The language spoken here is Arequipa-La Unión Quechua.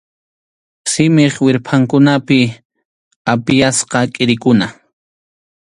Simip wirpʼankunapi apiyasqa kʼirikuna.